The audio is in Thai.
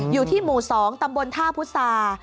อยู่ที่หมู่๒ตำบลท่าพุษา